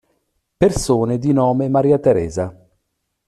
Persone di nome Maria Teresa